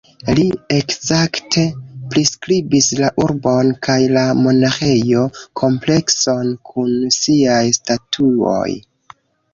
Li ekzakte priskribis la urbon kaj la monaĥejo-komplekson kun siaj statuoj.